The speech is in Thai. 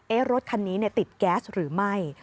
รถคันนี้ติดแก๊สหรือไม่